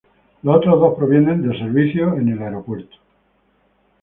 Los otros dos provienen de servicios en el Aeropuerto.